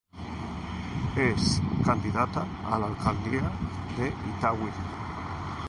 Ex Candidata a la alcaldía de Itagüí.